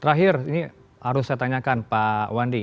terakhir ini harus saya tanyakan pak wandi